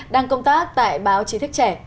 đang công tác tại báo chí thích trẻ